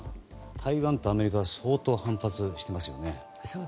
台湾とアメリカが相当反発してますね。